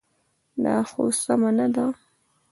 دا خو سمه نه ده.